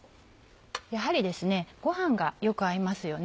やはりご飯がよく合いますよね。